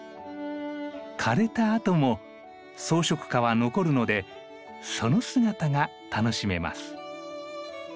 枯れたあとも装飾花は残るのでその姿が楽しめます。